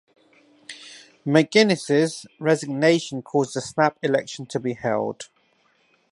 McGuinness's resignation caused a snap election to be held.